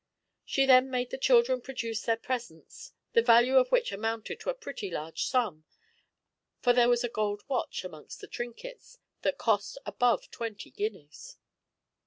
She then made the children produce their presents, the value of which amounted to a pretty large sum; for there was a gold watch, amongst the trinkets, that cost above twenty guineas.